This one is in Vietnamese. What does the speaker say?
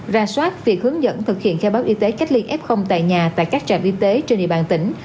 ra soát việc hướng dẫn thực hiện khai báo y tế cách ly f tại nhà tại các trạm y tế trên địa bàn tỉnh